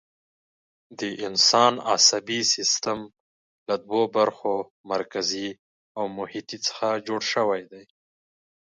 د انسان عصبي سیستم له دوو برخو، مرکزي او محیطي څخه جوړ شوی دی.